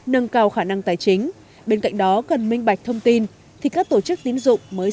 nâng cao khả năng tài chính bên cạnh đó cần minh bạch thông tin thì các tổ chức tín dụng mới